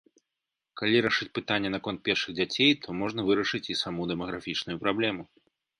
Калі рашыць пытанне наконт першых дзяцей, то можна вырашыць і саму дэмаграфічную праблему!